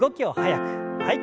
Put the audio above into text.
はい。